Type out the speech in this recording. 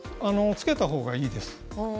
つけた方がいいです。